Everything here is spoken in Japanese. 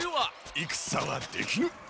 いくさはできぬ。